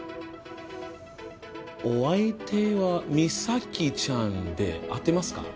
お相手は美咲ちゃんで合ってますか？